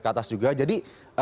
keatas juga jadi